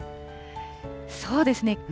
そうですね。